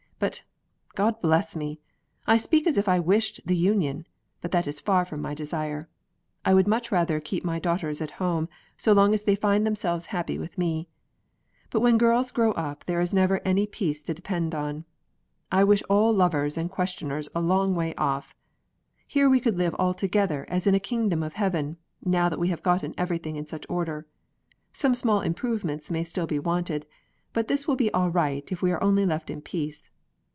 But, God bless me! I speak as if I wished the union, but that is far from my desire: I would much rather keep my daughters at home, so long as they find themselves happy with me; but when girls grow up, there is never any peace to depend on. I wish all lovers and questioners a long way off. Here we could live altogether as in a kingdom of heaven, now that we have got everything in such order. Some small improvements may still be wanted, but this will be all right if we are only left in peace.